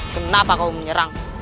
kenapa kau menyerang